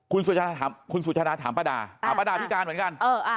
คุณสุชนะถามคุณสุชนะถามป้าดาอ่าป้าดาพิการเหมือนกันเอออ่า